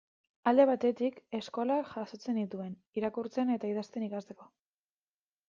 Alde batetik, eskolak jasotzen nituen, irakurtzen eta idazten ikasteko.